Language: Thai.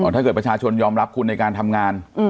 ถ้าเกิดประชาชนยอมรับคุณในการทำงาน